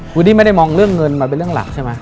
คือนี่ไม่ได้มองเรื่องเงินมันเป็นเรื่องหลักใช่ไหม